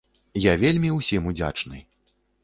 Я вельмі ўсім удзячны!